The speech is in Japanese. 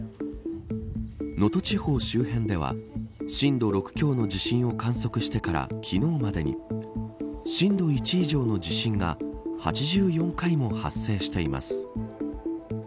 能登地方周辺では震度６強の地震を観測してから昨日までに震度１以上の地震が８４回も発生しています。